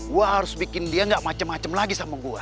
gua harus bikin dia enggak macem macem lagi sama gua